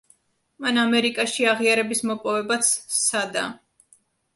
მან ამერიკაში აღიარების მოპოვებაც სცადა.